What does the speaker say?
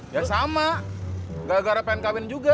ya sama gara gara pengen kawin juga